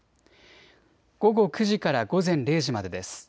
午後９時から午前０時までです。